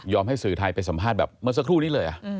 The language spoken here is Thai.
ให้สื่อไทยไปสัมภาษณ์แบบเมื่อสักครู่นี้เลย